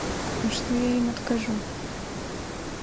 А што я ім адкажу?